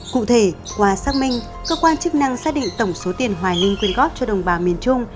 cụ thể qua xác minh cơ quan chức năng xác định tổng số tiền hoài linh quyên góp cho đồng bào miền trung